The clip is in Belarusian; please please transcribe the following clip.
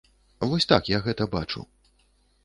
Вось так я гэта бачу.